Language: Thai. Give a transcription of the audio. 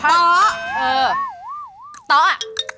ต๊อบเออต๊อบอ่ะ